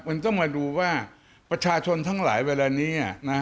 มันต้องมาดูว่าประชาชนทั้งหลายเวลานี้นะ